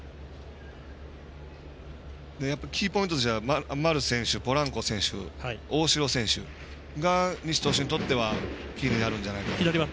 キーポイントとしては丸選手ポランコ選手、大城選手が西投手にとってはキーになるんじゃないかと。